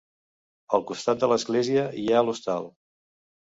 Al costat de l'església hi ha l'Hostal.